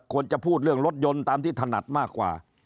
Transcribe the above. ควรจะพูดเรื่องรถยนต์ตามที่ถนัดมากกว่า